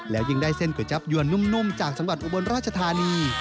แล้วยิ่งได้เส้นก๋วยจับยวนนุ่มจากจังหวัดอุบลราชธานี